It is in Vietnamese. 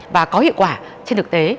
và có hiệu quả trên thực tế